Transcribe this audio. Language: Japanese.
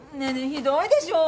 ひどいでしょ？